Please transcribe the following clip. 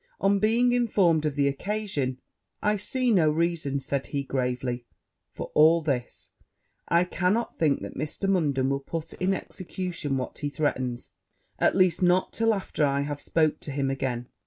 On being informed of the occasion, 'I see no reason,' said he gravely, 'for all this: I cannot think that Mr. Munden will put in execution what he threatens; at last, not till after I have spoke to him again.